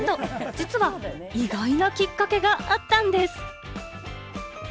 実は意外なきっかけがあったんです。